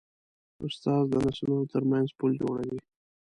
استاد د نسلونو ترمنځ پل جوړوي.